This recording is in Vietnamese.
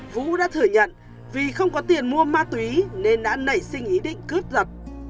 vũ đã thừa nhận vì không có tiền mua ma túy nên đã nảy sinh ý định cướp giật